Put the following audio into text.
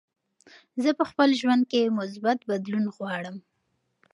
زه په خپل ژوند کې مثبت بدلون غواړم.